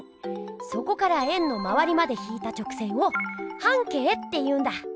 そこから円のまわりまで引いた直線を「半径」っていうんだ。